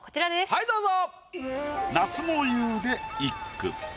はいどうぞ。